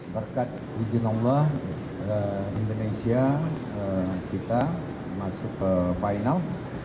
berkat izin allah indonesia kita masuk ke final